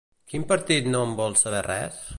Quin partit no en vol saber res?